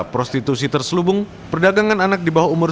prostitusi terselubung perdagangan anak di bawah umur